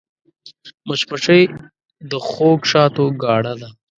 مچمچۍ د خوږ شاتو ګاڼه ده